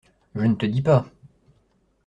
Je ne te dis pas !…